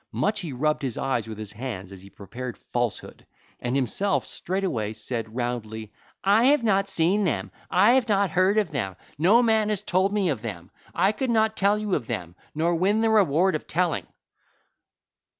Much he rubbed his eyes with his hands as he prepared falsehood, and himself straightway said roundly: "I have not seen them: I have not heard of them: no man has told me of them. I could not tell you of them, nor win the reward of telling."